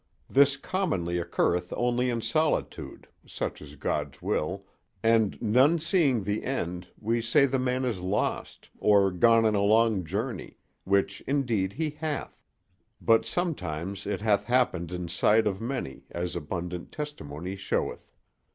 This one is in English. This commonly occurreth only in solitude (such is God's will) and, none seeing the end, we say the man is lost, or gone on a long journey—which indeed he hath; but sometimes it hath happened in sight of many, as abundant testimony showeth.